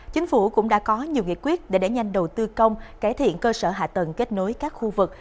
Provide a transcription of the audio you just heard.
chính phủ cũng đã có nhiều nghị quyết để đẩy nhanh đầu tư công cải thiện cơ sở hạ tầng kết nối các khu vực